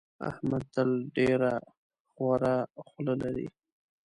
احمد تل ډېره خوره خوله لري.